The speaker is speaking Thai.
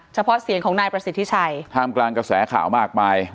เฉพาะเสียงของนายประสิทธิชัยท่ามกลางกระแสข่าวมากมาย